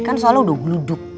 kan soalnya udah duduk